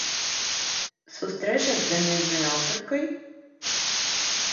Сустрэча з замежнай аўтаркай?